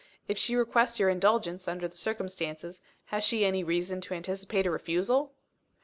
If she requests your indulgence, under the circumstances, has she any reason to anticipate a refusal?"